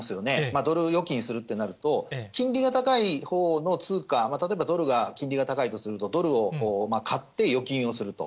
ドル預金するってなると、金利が高いほうの通貨、例えば金利が高いとすると、ドルを買って預金をすると。